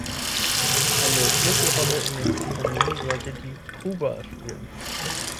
Eine Schlüsselrolle in dem Unternehmen sollte die "Cuba" spielen.